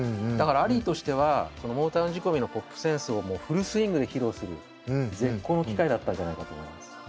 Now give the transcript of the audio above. だからアリーとしてはモータウン仕込みのポップセンスをもうフルスイングで披露する絶好の機会だったんじゃないかと思います。